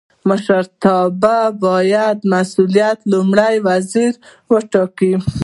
مشروطیت باید مسوول لومړی وزیر وټاکي.